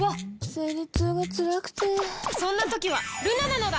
生理痛がつらくてそんな時はルナなのだ！